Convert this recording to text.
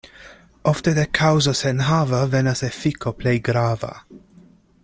Ofte de kaŭzo senenhava venas efiko plej grava.